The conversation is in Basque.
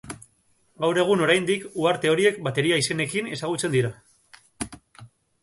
Gaur egun oraindik uharte horiek bateria izenekin ezagutzen dira.